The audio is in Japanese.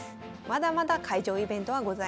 まだまだ会場イベントはございます。